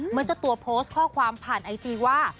เจ้าตัวโพสต์ข้อความผ่านไอจีว่า